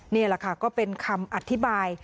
นี่แหละค่ะก็เป็นคำอธิบาย